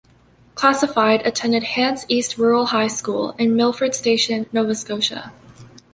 Classified attended Hants East Rural High School in Milford Station, Nova Scotia.